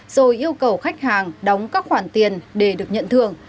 rồi yêu cầu khách hàng đóng các khoản tiền để được nhận thưởng